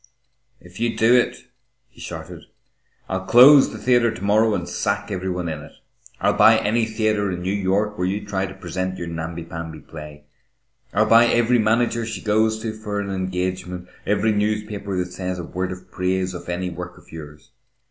"If you do it," he shouted, "I'll close the theatre to morrow and sack every one in it. I'll buy any theatre in New York where you try to present your namby pamby play. I'll buy every manager she goes to for an engagement, every newspaper that says a word of praise of any work of yours.